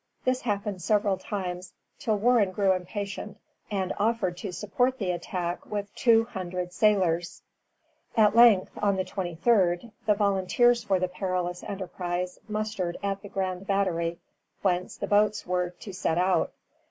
This happened several times, till Warren grew impatient, and offered to support the attack with two hundred sailors. At length, on the 23d, the volunteers for the perilous enterprise mustered at the Grand Battery, whence the boats were to set out.